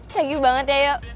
cegih banget ya yo